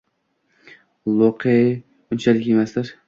— Io‘q-e, unchalik emasdir?